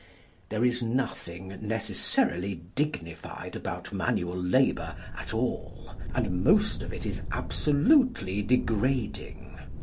There is nothing necessarily dignified about manual labour at all, and most of it is absolutely degrading.